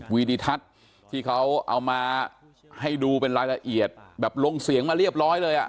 ดิทัศน์ที่เขาเอามาให้ดูเป็นรายละเอียดแบบลงเสียงมาเรียบร้อยเลยอ่ะ